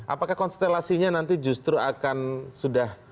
apakah konstelasinya nanti justru akan sudah